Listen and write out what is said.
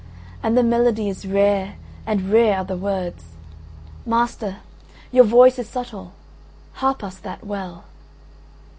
And the melody is rare and rare are the words: master, your voice is subtle: harp us that well."